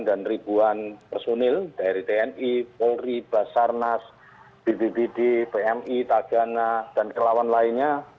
dan ribuan personil dari tni polri basarnas bbbd pmi tagana dan kelawan lainnya